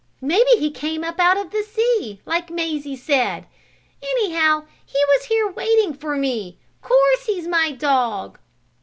Maybe he came up out of the sea, like Mazie said. Anyhow he was here waiting for me. Course he's my dog!"